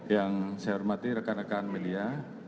yang saya hormati rekan rekan media